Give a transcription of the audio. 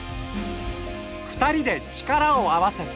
二人で力を合わせて